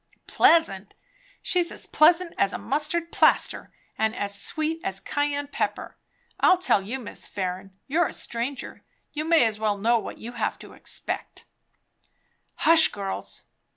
"Pleasant! She's as pleasant as a mustard plaster, and as sweet as cayenne pepper. I'll tell you, Miss Farren; you're a stranger; you may as well know what you have to expect " "Hush, girls!"